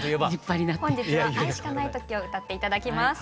本日は「愛しかない時」を歌って頂きます。